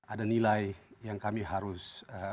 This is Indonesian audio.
ada nilai yang kami harus